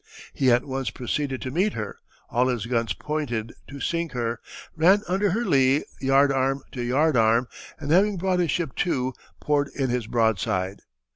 "He at once proceeded to meet her, all his guns pointed to sink her, ran under her lee, yard arm to yard arm, and having brought his ship to, poured in his broadside.